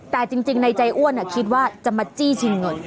แต่จริงในใจอ้วนคิดว่าจะมาจี้ชิงเงิน